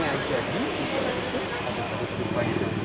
coba ini deh